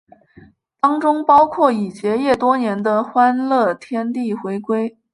当中包括已结业多年的欢乐天地回归。